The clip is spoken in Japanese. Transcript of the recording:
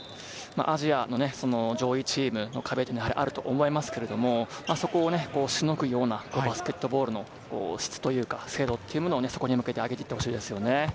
アジアの上位チームの壁というのはあると思いますけれども、そこをしのぐようなバスケットボールの質というか、精度をそこに向けて上げていってほしいですね。